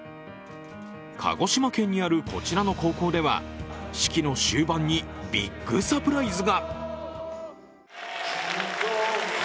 鹿児島県にあるこちらの高校では式の終盤にビッグサプライズが。